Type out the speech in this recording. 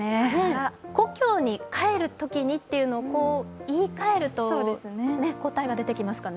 故郷に帰るときにというのを言いかえると答えが出てきますかね。